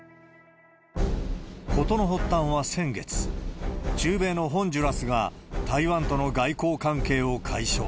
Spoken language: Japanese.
事の発端は先月、中米のホンジュラスが、台湾との外交関係を解消。